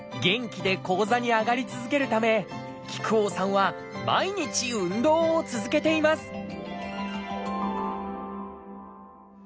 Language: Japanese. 元気で高座に上がり続けるため木久扇さんは毎日運動を続けています